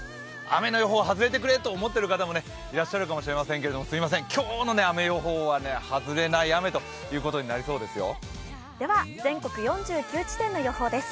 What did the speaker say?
雨の予報、外れてくれと思っていらっしゃる方もいると思いますが、すいません、今日の雨予報はね外れない雨ということになりそうですよ。